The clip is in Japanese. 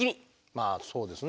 まあそうですね。